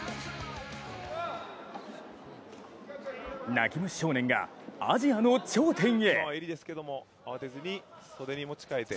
泣き虫少年がアジアの頂点へ。